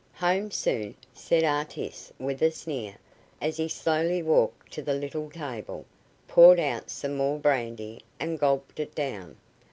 "Home soon," said Artis, with a sneer, as he slowly walked to the little table, poured out some more brandy, and gulped it down.